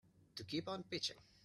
To keep on pitching.